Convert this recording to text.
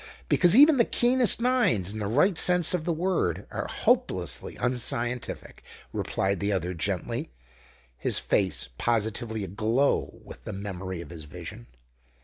"Because even the keenest minds, in the right sense of the word, are hopelessly unscientific," replied the other gently, his face positively aglow with the memory of his vision.